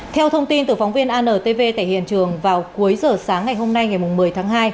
theo thông tin từ phóng viên antv tại hiện trường vào cuối giờ sáng ngày hôm nay ngày một mươi tháng hai